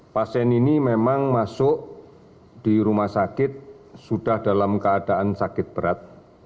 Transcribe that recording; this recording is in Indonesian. pasien ini memang masuk di rumah sakit sudah dalam keadaan sakit berat